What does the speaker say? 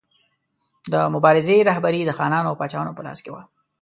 د مبارزې رهبري د خانانو او پاچاهانو په لاس کې وه.